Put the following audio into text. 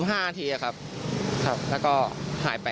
ประมาณ๑๐๑๕นาทีครับแล้วก็หายไป